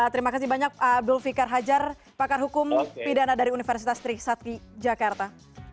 terima kasih banyak abdul fikar hajar pakar hukum pidana dari universitas trisakti jakarta